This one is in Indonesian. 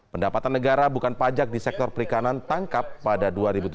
pendapatan negara bukan pajak di sektor perikanan tangkap pada dua ribu tujuh belas